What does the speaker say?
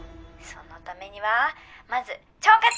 ☎そのためにはまず腸活！